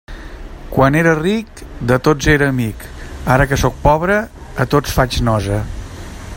Quan era ric, de tots era amic; ara que sóc pobre, a tots faig nosa.